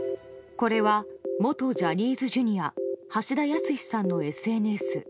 これは元ジャニーズＪｒ．橋田康さんのＳＮＳ。